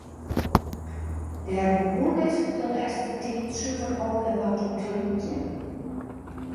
Dêr begûn it de lêste tiid suver al wer wat op te lykjen.